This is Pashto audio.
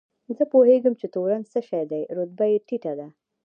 زه پوهېږم چې تورن څه شی دی، رتبه یې ټیټه ده.